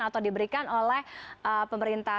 atau diberikan oleh pemerintah